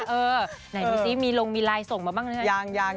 เออไหนดูซิมีลงมีไลน์ส่งมาบ้างนะครับ